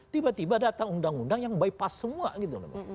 tiba tiba datang undang undang yang bypass semua gitu loh